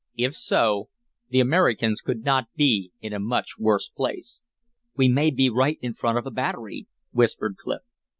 If so, the Americans could not be in a much worse place. "We may be right in front of a battery," whispered Clif.